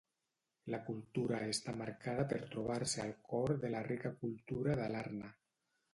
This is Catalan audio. La cultura està marcada per trobar-se al cor de la rica cultura Dalarna.